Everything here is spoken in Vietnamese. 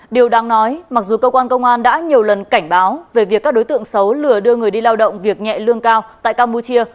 điều đang nói mặc dù cơ quan công an đã nhiều lần cảnh báo về việc các đối tượng xấu lừa đưa người đi lao động việc nhẹ lương cao tại campuchia